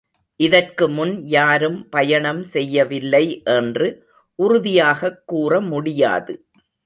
இதற்கு முன் யாரும் பயணம் செய்யவில்லை என்று உறுதியாகக் கூறமுடியாது.